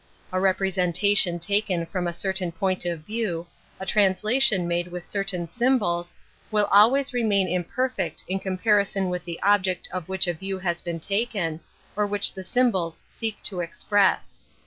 A representation taken \ from a certain point of view, a translation ) made with certain symbols, will always / remain imperfect in comparison with the / object of which a view has been taken, op/. which the symbols seek to express.